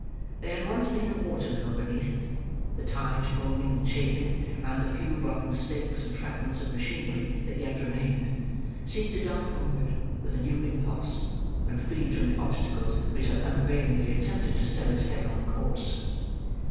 There had once been a water mill beneath; the tide foaming and chafing round the few rotten stakes, and fragments of machinery that yet remained, seemed to dart onward, with a new impulse, when freed from the obstacles which had unavailingly attempted to stem its headlong course.